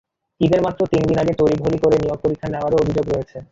ঈদের মাত্র তিন দিন আগে তড়িঘড়ি করে নিয়োগ পরীক্ষা নেওয়ারও অভিযোগ রয়েছে।